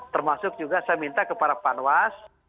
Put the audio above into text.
termasuk juga saya minta kepada panwas